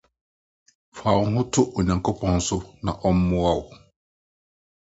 Fa wo ho to Onyankopɔn so ma ɔmmoa wo.